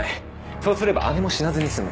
そうすれば姉も死なずに済む。